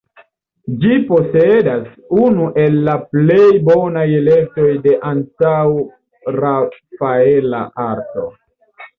Ĝi posedas unu el la plej bonaj kolektoj de antaŭ-Rafaela arto.